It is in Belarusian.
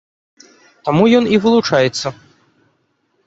Таму ён і вылучаецца.